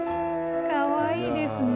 かわいいですね。